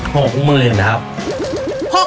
หกหมื่นนะครับ